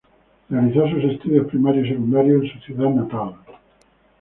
Realizo sus estudios primarios y secundarios en su ciudad natal.